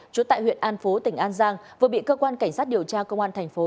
trú tại huyện an phố tỉnh an giang vừa bị cơ quan cảnh sát điều tra công an thành phố